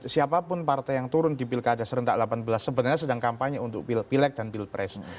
siapapun partai yang turun di pilkada serentak delapan belas sebenarnya sedang kampanye untuk pilek dan pilpres